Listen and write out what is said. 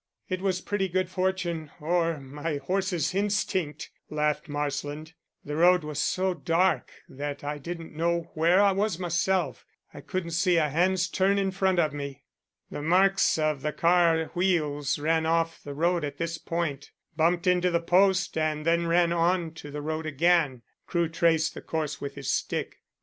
"It was purely good fortune, or my horse's instinct," laughed Marsland. "The road was so dark that I didn't know where I was myself. I couldn't see a hand's turn in front of me." "The marks of the car wheels ran off the road at this point, bumped into the post, and then ran on to the road again." Crewe traced the course with his stick.